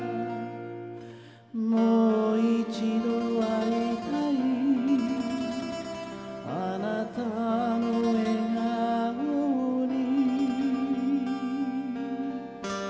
「もう一度会いたいあなたの笑顔に」